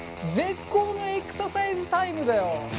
絶好のエクササイズタイムだよ！